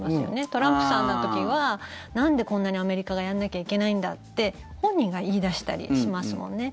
トランプさんの時はなんでこんなにアメリカがやらなきゃいけないんだって本人が言い出したりしますもんね。